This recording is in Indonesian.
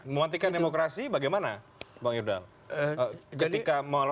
mematikan demokrasi bagaimana bang ifdal